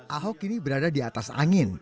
ahok kini berada di atas angin